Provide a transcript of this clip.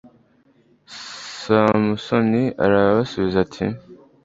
samusoni arabasubiza ati